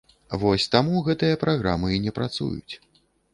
Вось, таму гэтыя праграмы і не працуюць.